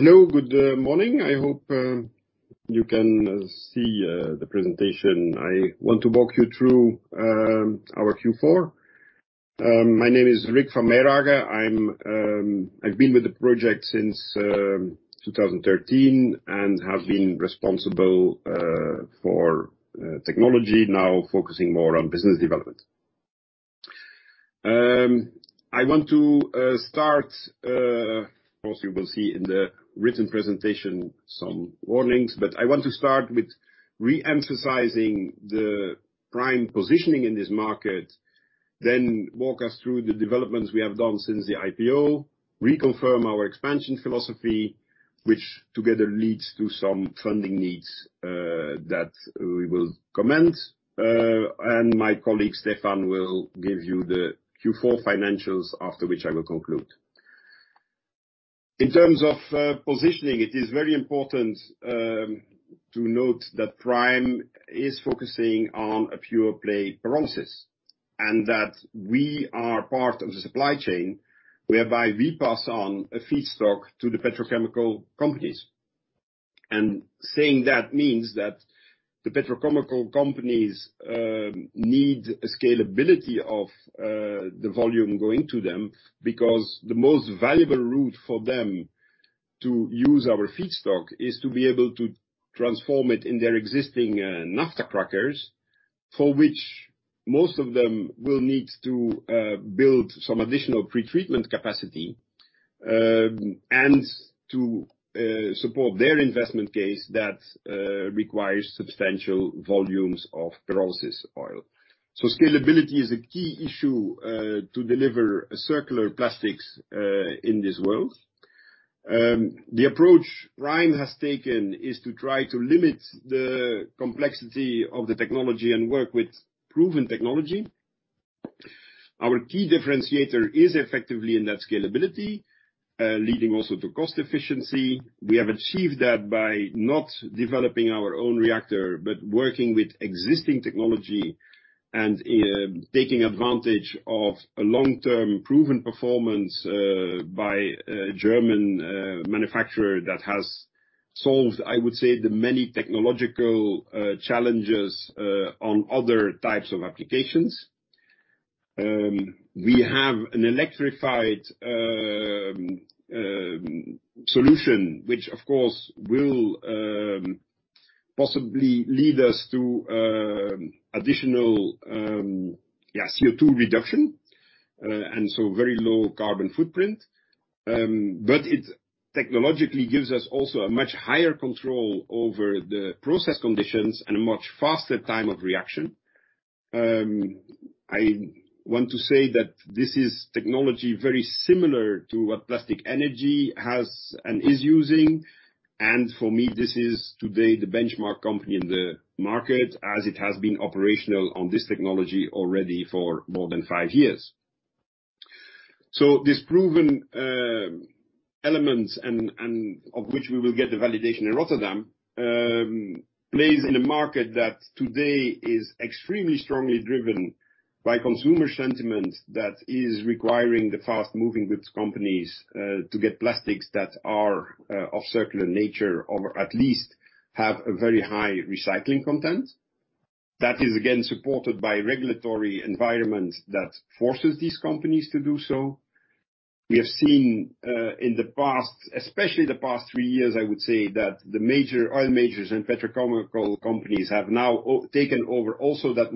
Hello. Good morning. I hope you can see the presentation. I want to walk you through our Q4. My name is Rik Van Meirhaeghe. I've been with the project since 2013 and have been responsible for technology, now focusing more on business development. I want to start, of course you will see in the written presentation some warnings. I want to start with re-emphasizing the Pryme positioning in this market. Walk us through the developments we have done since the IPO. Reconfirm our expansion philosophy, which together leads to some funding needs that we will commence. My colleague, Stephan, will give you the Q4 financials, after which I will conclude. In terms of positioning, it is very important to note that Pryme is focusing on a pure play pyrolysis, and that we are part of the supply chain, whereby we pass on a feedstock to the petrochemical companies. Saying that means that the petrochemical companies need a scalability of the volume going to them because the most valuable route for them to use our feedstock is to be able to transform it in their existing naphtha crackers, for which most of them will need to build some additional pretreatment capacity, and to support their investment case that requires substantial volumes of pyrolysis oil. Scalability is a key issue to deliver circular plastics in this world. The approach Pryme has taken is to try to limit the complexity of the technology and work with proven technology. Our key differentiator is effectively in that scalability, leading also to cost efficiency. We have achieved that by not developing our own reactor, but working with existing technology and taking advantage of a long-term proven performance by a German manufacturer that has solved, I would say, the many technological challenges on other types of applications. We have an electrified solution, which of course will possibly lead us to additional, yeah, CO2 reduction, and so very low carbon footprint. It technologically gives us also a much higher control over the process conditions and a much faster time of reaction. I want to say that this is technology very similar to what Plastic Energy has and is using, and for me, this is today the benchmark company in the market as it has been operational on this technology already for more than five years. This proven elements and of which we will get the validation in Rotterdam, plays in a market that today is extremely strongly driven by consumer sentiment that is requiring the fast-moving goods companies to get plastics that are of circular nature or at least have a very high recycling content. That is again supported by regulatory environment that forces these companies to do so. We have seen in the past, especially the past three years, I would say, that the major oil majors and petrochemical companies have now taken over also that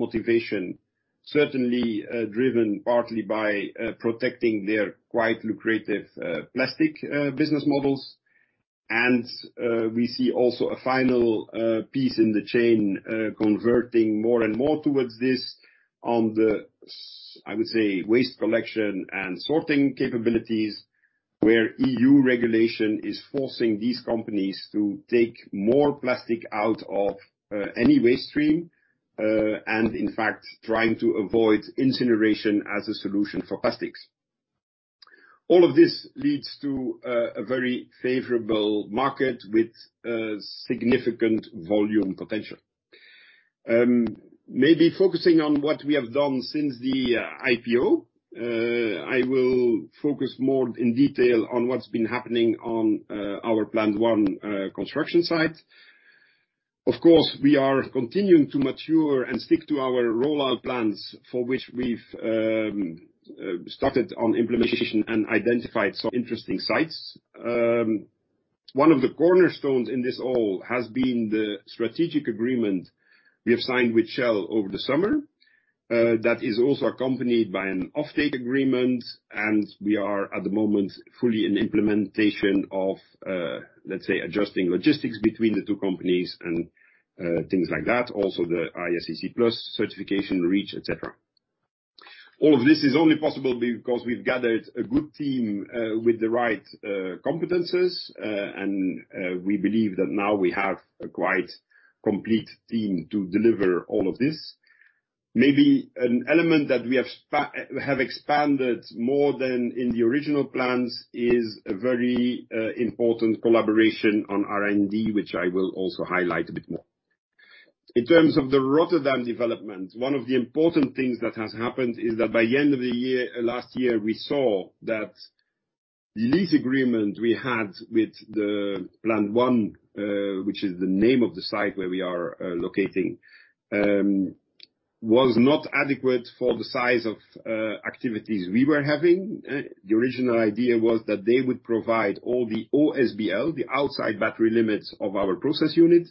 motivation, certainly driven partly by protecting their quite lucrative plastic business models. We see also a final piece in the chain converting more and more towards this on the I would say, waste collection and sorting capabilities, where EU regulation is forcing these companies to take more plastic out of any waste stream and in fact, trying to avoid incineration as a solution for plastics. All of this leads to a very favorable market with a significant volume potential. Maybe focusing on what we have done since the IPO, I will focus more in detail on what's been happening on our Pryme One construction site. Of course, we are continuing to mature and stick to our rollout plans for which we've started on implementation and identified some interesting sites. One of the cornerstones in this all has been the strategic agreement we have signed with Shell over the summer. That is also accompanied by an offtake agreement, and we are at the moment fully in implementation of, let's say, adjusting logistics between the two companies and things like that. Also the ISCC PLUS certification reach, et cetera. All of this is only possible because we've gathered a good team, with the right competencies, and we believe that now we have a quite complete team to deliver all of this. Maybe an element that we have expanded more than in the original plans is a very important collaboration on R&D, which I will also highlight a bit more. In terms of the Rotterdam development, one of the important things that has happened is that by end of the year last year, we saw that the lease agreement we had with the Pryme One, which is the name of the site where we are locating, was not adequate for the size of activities we were having. The original idea was that they would provide all the OSBL, the Outside Battery Limits of our process unit.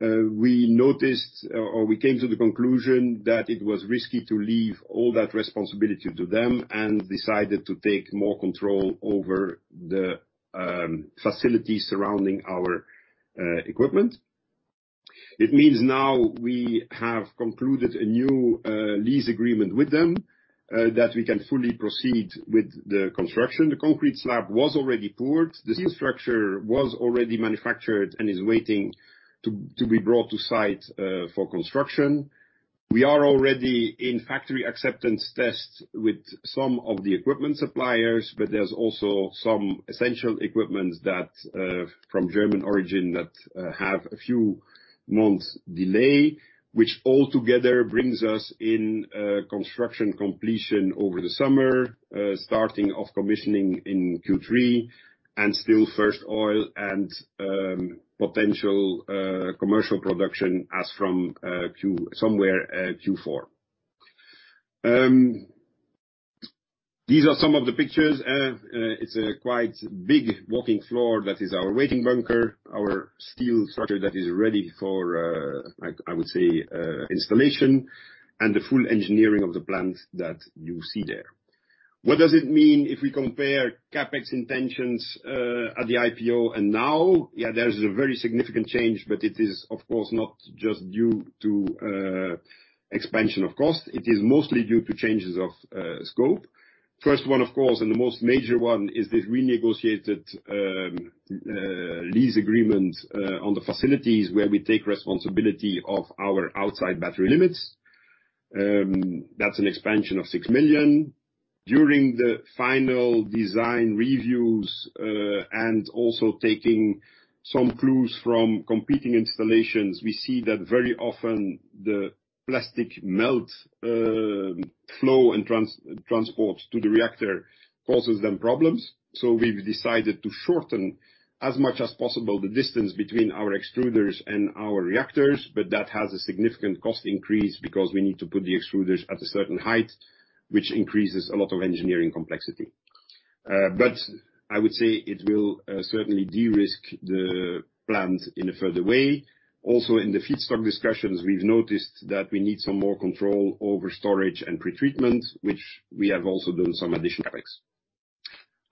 We noticed, or we came to the conclusion that it was risky to leave all that responsibility to them and decided to take more control over the facilities surrounding our equipment. It means now we have concluded a new lease agreement with them that we can fully proceed with the construction. The concrete slab was already poured. The steel structure was already manufactured and is waiting to be brought to site for construction. We are already in Factory Acceptance Tests with some of the equipment suppliers, but there's also some essential equipment that from German origin that have a few months delay, which altogether brings us in construction completion over the summer, starting of commissioning in Q3, and still first oil and potential commercial production as from Q4. These are some of the pictures. It's a quite big walking floor. That is our waiting bunker, our steel structure that is ready for installation, and the full engineering of the plant that you see there. What does it mean if we compare CapEx intentions at the IPO and now? Yeah, there's a very significant change, but it is, of course, not just due to expansion of cost. It is mostly due to changes of scope. First one, of course, and the most major one is this renegotiated lease agreement on the facilities where we take responsibility of our Outside Battery Limits. That's an expansion of 6 million. During the final design reviews, and also taking some clues from competing installations, we see that very often the plastic melt, flow and transport to the reactor causes them problems. We've decided to shorten as much as possible the distance between our extruders and our reactors, but that has a significant cost increase because we need to put the extruders at a certain height, which increases a lot of engineering complexity. I would say it will certainly de-risk the plant in a further way. In the feedstock discussions, we've noticed that we need some more control over storage and pretreatment, which we have also done some additional CapEx.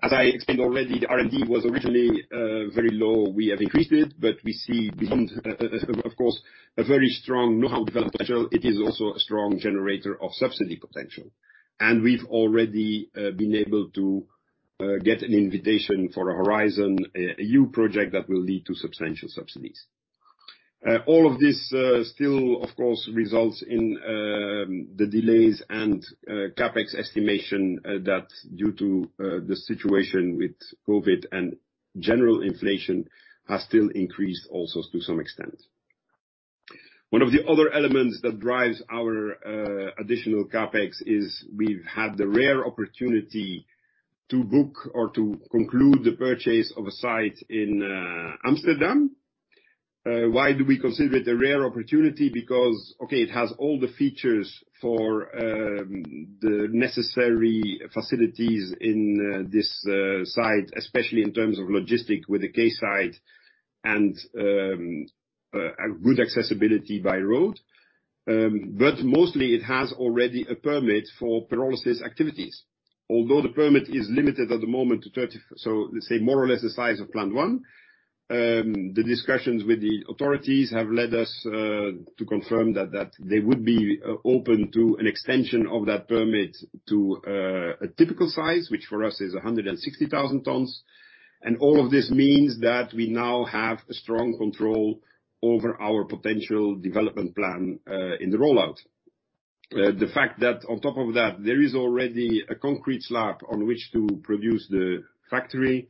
I explained already, the R&D was originally very low. We have increased it, but we see behind, of course, a very strong know-how development schedule. It is also a strong generator of subsidy potential. We've already been able to get an invitation for a Horizon Europe project that will lead to substantial subsidies. All of this still, of course, results in the delays and CapEx estimation that due to the situation with COVID and general inflation has still increased also to some extent. One of the other elements that drives our additional CapEx is we've had the rare opportunity to book or to conclude the purchase of a site in Amsterdam. Why do we consider it a rare opportunity? Because, okay, it has all the features for the necessary facilities in this site, especially in terms of logistic with the quayside and good accessibility by road. Mostly it has already a permit for pyrolysis activities. Although the permit is limited at the moment to so, let's say more or less the size of Pryme One, the discussions with the authorities have led us to confirm that they would be open to an extension of that permit to a typical size, which for us is 160,000 tons. All of this means that we now have a strong control over our potential development plan in the rollout. The fact that on top of that, there is already a concrete slab on which to produce the factory,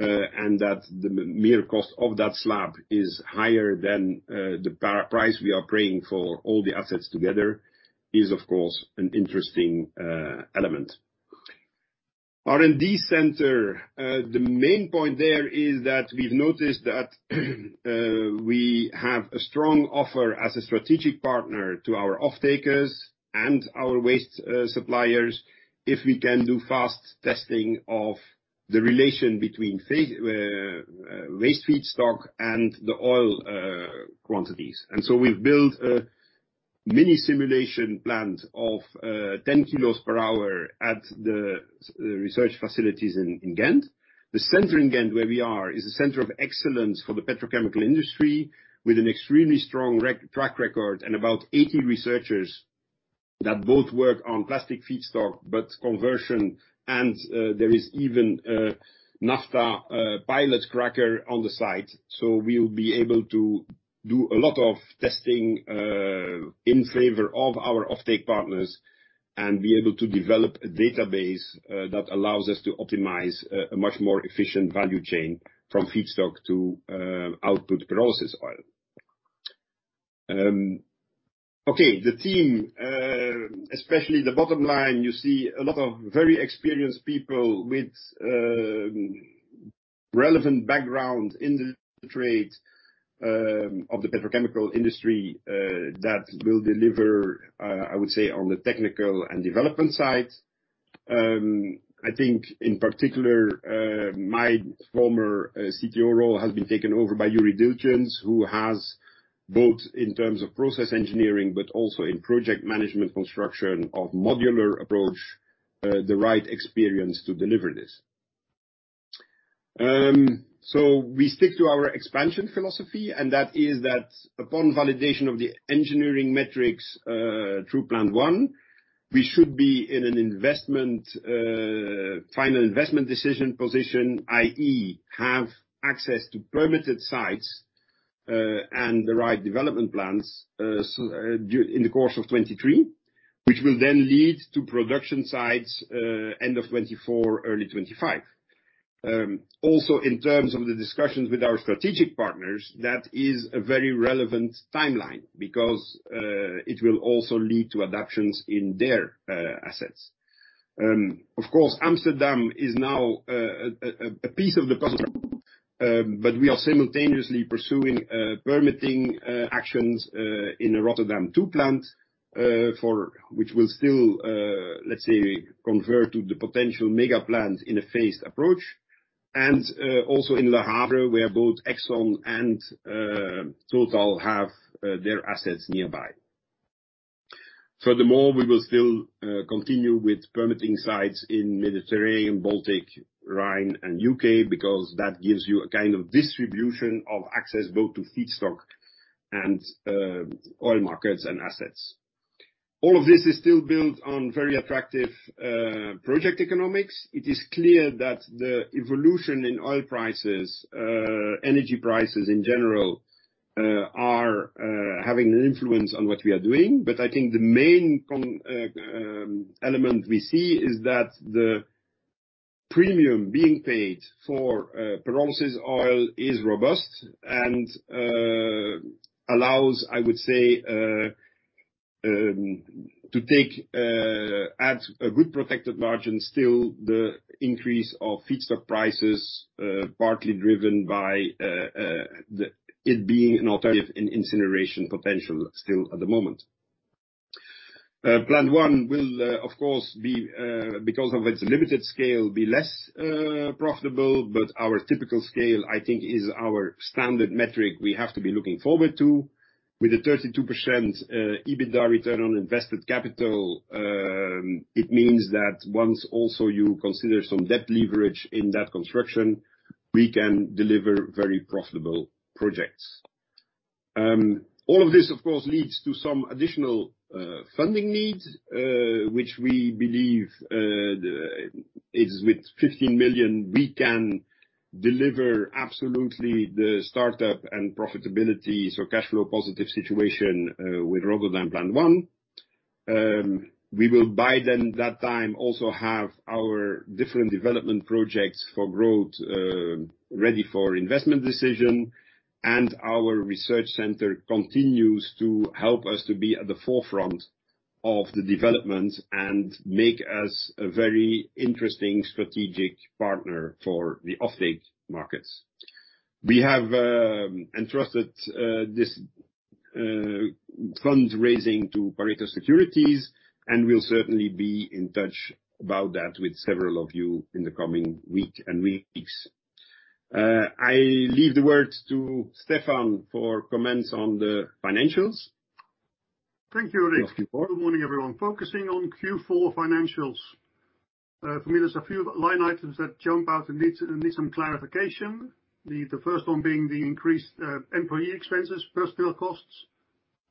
and that the mere cost of that slab is higher than the price we are paying for all the assets together is, of course, an interesting element. R&D center, the main point there is that we've noticed that we have a strong offer as a strategic partner to our off-takers and our waste suppliers if we can do fast testing of the relation between waste feedstock and the oil quantities. We've built a mini simulation plant of 10 kilos per hour at the research facilities in Ghent. The center in Ghent, where we are, is a center of excellence for the petrochemical industry with an extremely strong track record and about 80 researchers that both work on plastic feedstock, but conversion and there is even a naphtha pilot cracker on the site. We'll be able to do a lot of testing in favor of our offtake partners and be able to develop a database that allows us to optimize a much more efficient value chain from feedstock to output pyrolysis oil. Okay, the team, especially the bottom line, you see a lot of very experienced people with relevant background in the trade of the petrochemical industry that will deliver, I would say on the technical and development side. I think in particular, my former CTO role has been taken over by Dominique Gemoets, who has both in terms of process engineering but also in project management construction of modular approach, the right experience to deliver this. We stick to our expansion philosophy, and that is that upon validation of the engineering metrics through plant 1, we should be in an investment, final investment decision position, i.e., have access to permitted sites and the right development plans in the course of 2023, which will then lead to production sites end of 2024, early 2025. In terms of the discussions with our strategic partners, that is a very relevant timeline because it will also lead to adoptions in their assets. Of course, Amsterdam is now a piece of the puzzle. We are simultaneously pursuing permitting actions in the Rotterdam two plant, for which will still, let's say convert to the potential mega plant in a phased approach and also in the harbor where both ExxonMobil and TotalEnergies have their assets nearby. Furthermore, we will still continue with permitting sites in Mediterranean, Baltic, Rhine, and U.K because that gives you a kind of distribution of access both to feedstock and oil markets and assets. All of this is still built on very attractive project economics. It is clear that the evolution in oil prices, energy prices in general, are having an influence on what we are doing. I think the main con element we see is that the premium being paid for pyrolysis oil is robust and allows, I would say, to take at a good protected margin still the increase of feedstock prices, partly driven by the, it being an alternative in incineration potential still at the moment. Pryme One will of course be because of its limited scale, be less profitable, but our typical scale, I think, is our standard metric we have to be looking forward to. With a 32% EBITDA return on invested capital, it means that once also you consider some debt leverage in that construction, we can deliver very profitable projects. All of this of course leads to some additional funding needs, which we believe is with 15 million we can deliver absolutely the startup and profitability so cash flow positive situation with Rotterdam Pryme One. We will by then that time also have our different development projects for growth ready for investment decision, and our research center continues to help us to be at the forefront of the development and make us a very interesting strategic partner for the offtake markets. We have entrusted this fundraising to Pareto Securities, and we'll certainly be in touch about that with several of you in the coming week and weeks. I leave the words to Stephan for comments on the financials. Thank you, Rik. Yes, Stephan. Good morning, everyone. Focusing on Q4 financials, for me, there's a few line items that jump out and need some clarification. The first one being the increased employee expenses, personal costs.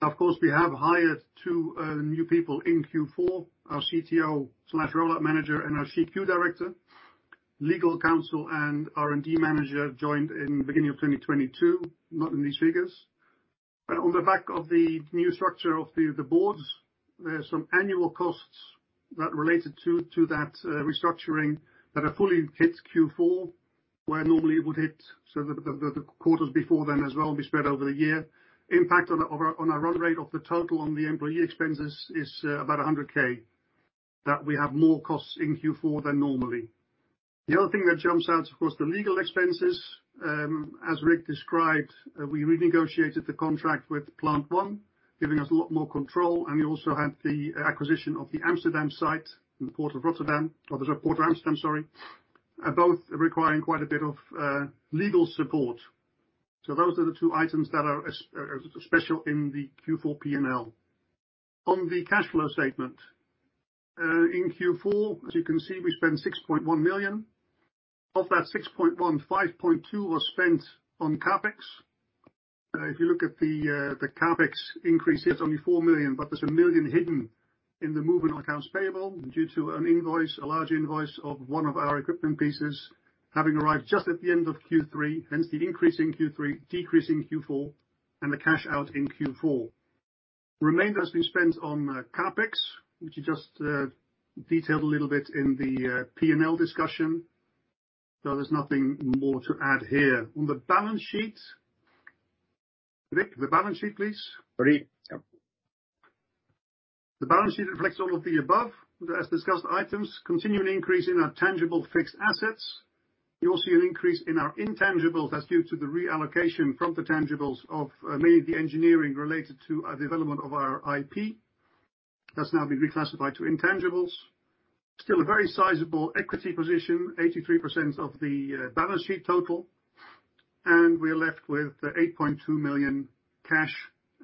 Of course, we have hired two new people in Q4, our CTO/Roll-out Manager and our CQ director. Legal counsel and R&D manager joined in beginning of 2022, not in these figures. On the back of the new structure of the boards, there are some annual costs that related to that restructuring that are fully hit Q4, where normally it would hit the quarters before then as well be spread over the year. Impact on a run rate of the total on the employee expenses is about 100,000 that we have more costs in Q4 than normally. The other thing that jumps out, of course, the legal expenses. As Rik described, we renegotiated the contract with Pryme One, giving us a lot more control, and we also had the acquisition of the Amsterdam site in the port of Rotterdam, or the port of Amsterdam, sorry, both requiring quite a bit of legal support. Those are the two items that are special in the Q4 P&L. On the cash flow statement, in Q4, as you can see, we spent 6.1 million. Of that 6.1, 5.2 was spent on CapEx. If you look at the CapEx increase, there's only 4 million, but there's 1 million hidden in the movement on accounts payable due to an invoice, a large invoice of one of our equipment pieces having arrived just at the end of Q3, hence the increase in Q3, decrease in Q4, and the cash out in Q4. The remainder has been spent on CapEx, which you just detailed a little bit in the P&L discussion, so there's nothing more to add here. On the balance sheet. Rik, the balance sheet, please. Ready. Yep. The balance sheet reflects all of the above. As discussed, items continue to increase in our tangible fixed assets. You also see an increase in our intangibles. That's due to the reallocation from the tangibles of mainly the engineering related to development of our IP. That's now been reclassified to intangibles. Still a very sizable equity position, 83% of the balance sheet total. We're left with 8.2 million cash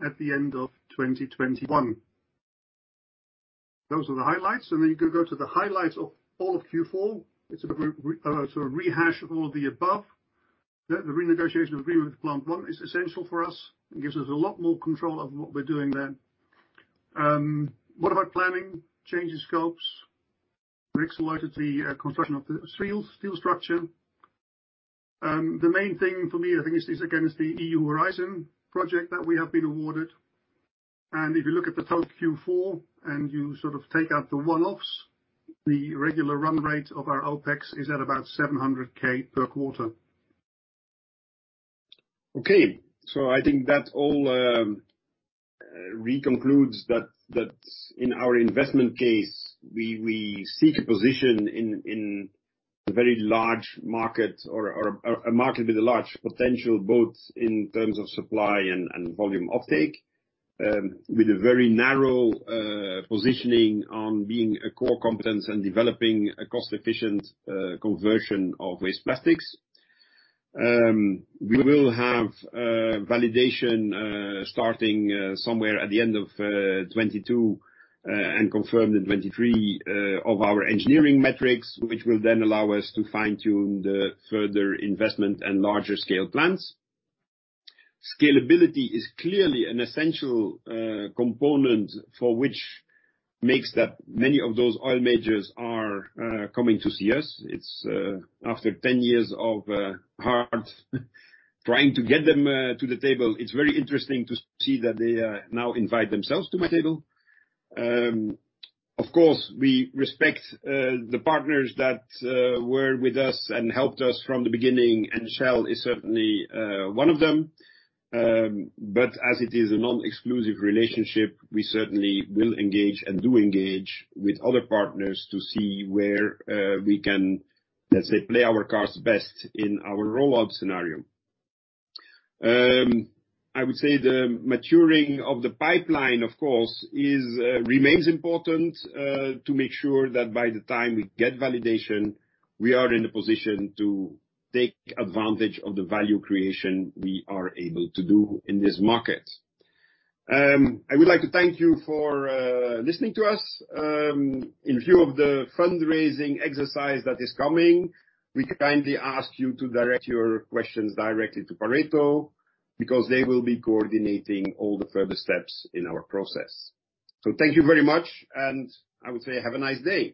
at the end of 2021. Those are the highlights, you can go to the highlights of all of Q4. It's a sort of rehash of all of the above. The renegotiation agreement with Pryme One is essential for us and gives us a lot more control of what we're doing there. What about planning? Changing scopes? Rik's lighted the construction of the steel structure. The main thing for me, I think it's, again, it's the EU Horizon project that we have been awarded. If you look at the total Q4, and you sort of take out the one-offs, the regular run rate of our OPEX is at about 700 thousand per quarter. I think that all re-concludes that in our investment case, we seek a position in a very large market or a market with a large potential, both in terms of supply and volume offtake, with a very narrow positioning on being a core competence and developing a cost-efficient conversion of waste plastics. We will have validation starting somewhere at the end of 2022 and confirmed in 2023 of our engineering metrics, which will then allow us to fine-tune the further investment and larger scale plans. Scalability is clearly an essential component for which makes that many of those oil majors are coming to see us. It's after 10 years of hard trying to get them to the table, it's very interesting to see that they now invite themselves to my table. Of course, we respect the partners that were with us and helped us from the beginning, Shell is certainly one of them. As it is a non-exclusive relationship, we certainly will engage and do engage with other partners to see where we can, let's say, play our cards best in our rollout scenario. I would say the maturing of the pipeline, of course, remains important to make sure that by the time we get validation, we are in a position to take advantage of the value creation we are able to do in this market. I would like to thank you for listening to us. In lieu of the fundraising exercise that is coming, we kindly ask you to direct your questions directly to Pareto, because they will be coordinating all the further steps in our process. Thank you very much, and I would say have a nice day.